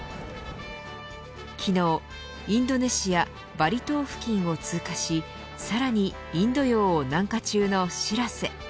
昨日、インドネシアバリ島付近を通過しさらにインド洋を南下中のしらせ。